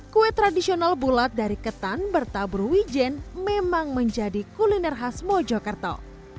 kue tradisional bulat dari ketan bertabur wijen memang menjadi kuliner khas mojokerto